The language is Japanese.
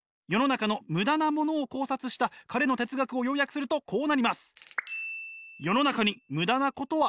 世の中のムダなものを考察した彼の哲学を要約するとこうなります。